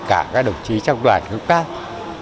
các các đồng chí trong đoàn các các đồng chí trong đoàn